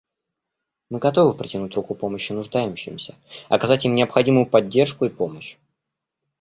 Мы готовы протянуть руку помощи нуждающимся, оказать им необходимую поддержку и помощь.